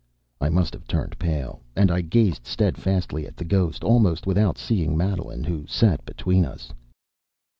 I must have turned pale; and I gazed steadfastly at the ghost, almost without seeing Madeline, who sat between us.